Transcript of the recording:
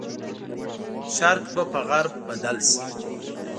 شرق به په غرب بدل شي.